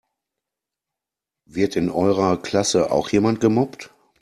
Wird in eurer Klasse auch jemand gemobbt?